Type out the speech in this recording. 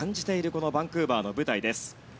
このバンクーバーの舞台です。